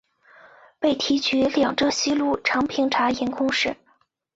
被提举两浙西路常平茶盐公事。